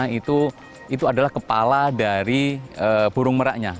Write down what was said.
karena itu adalah kepala dari burung merahnya